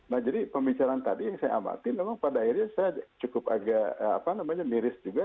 nah jadi pembicaraan tadi yang saya amati memang pada akhirnya saya cukup agak miris juga